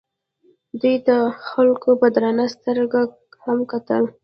دوی ته خلکو په درنه سترګه هم کتل.